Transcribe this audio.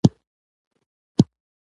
يو سر ،دوه غوږه.